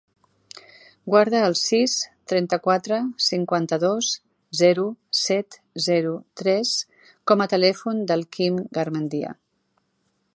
Guarda el sis, trenta-quatre, cinquanta-dos, zero, set, zero, tres com a telèfon del Quim Garmendia.